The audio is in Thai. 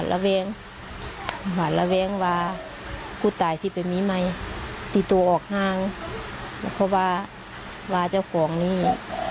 คำว่าเบื่อการกระทำแบบนี้